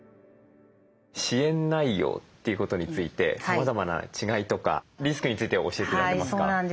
支援内容ということについてさまざまな違いとかリスクについて教えて頂けますか。